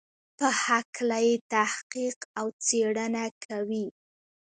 په هکله یې تحقیق او څېړنه کوي.